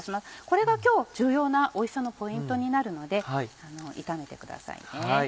これが今日重要なおいしさのポイントになるので炒めてくださいね。